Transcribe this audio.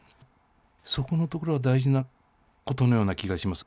そこのところは大事なことのような気がします。